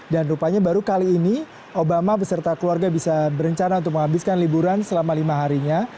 dan rupanya baru kali ini obama beserta keluarga bisa berencana untuk menghabiskan liburan selama lima harinya